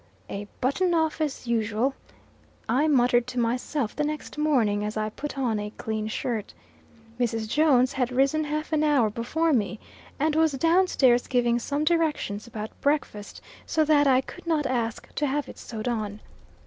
"A button off, as usual!" I muttered to myself the next morning, as I put on a clean shirt. Mrs. Jones had risen half an hour before me, and was down stairs giving some directions about breakfast, so that I could not ask to have it sewed on.